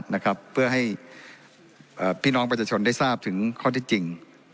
นะครับเพื่อให้พี่น้องประชาชนได้ทราบถึงข้อที่จริง